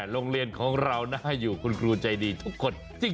โรงเรียนของเราน่าอยู่คุณครูใจดีทุกคน